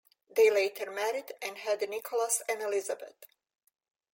They later married and had Nicolas and Elisabeth.